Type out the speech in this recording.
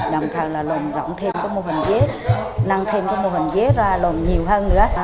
đồng thời là lùm rộng thêm cái mô hình dế nâng thêm cái mô hình dế ra lùm nhiều hơn nữa